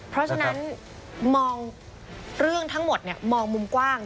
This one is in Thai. เพราะฉะนั้นมองเรื่องทั้งหมดมองมุมกว้าง